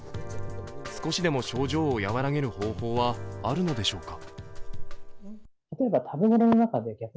少しでも症状を和らげる方法はあるのでしょうか。